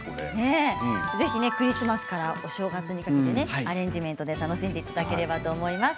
ぜひクリスマスからお正月にかけてアレンジで楽しんでいただければと思います。